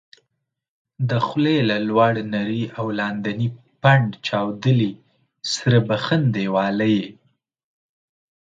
د خولې له لوړ نري او لاندني پنډ چاودلي سره بخن دېواله یې